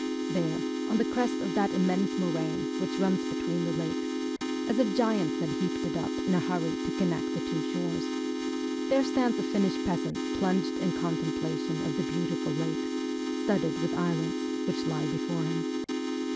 There, on the crest of that immense moraine which runs between the lakes, as if giants had heaped it up in a hurry to connect the two shores, there stands a Finnish peasant plunged in contemplation of the beautiful lakes, studded with islands, which lie before him.